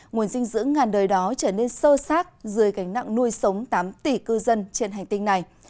nguồn dinh dưỡng ngàn đời đó trở nên sơ sát dưới gánh nặng nuôi sống tám tỷ cư dân trên hành tinh này